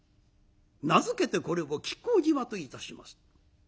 名付けてこれを亀甲縞といたします。